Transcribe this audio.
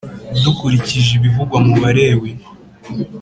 Dukurikije ibivugwa mu Balewi